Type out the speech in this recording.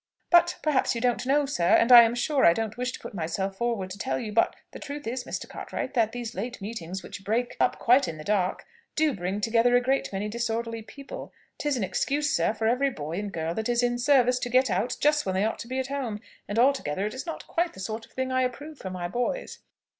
But perhaps you don't know, sir, and I am sure I don't wish to put myself forward to tell you but the truth is, Mr. Cartwright, that these late meetings, which break up quite in the dark, do bring together a great many disorderly people. 'Tis an excuse, sir, for every boy and girl that is in service to get out just when they ought to be at home, and altogether it is not quite the sort of thing I approve for my boys."